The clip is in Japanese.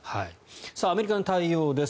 アメリカの対応です。